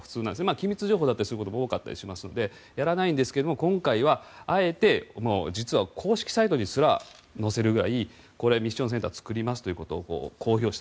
機密情報だったりすることが多いのでやらないんですけど今回は、あえて実は公式サイトにすら載せるくらいこのミッションセンター作りますということを公表した。